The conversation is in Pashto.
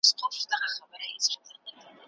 د هغه کتاب د مسیحي ټولنو بنسټونه جوړ کړل.